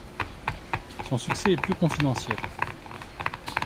Son succès est plus confidentiel.